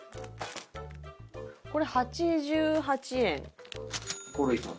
これ８８円。